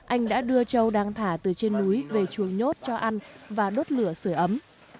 anh đã đưa châu đang thả từ trên núi về chuồng nhốt cho ăn và đốt lửa sửa ấm